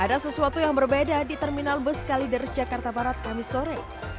ada sesuatu yang berbeda di terminal bus kaliders jakarta barat kami sore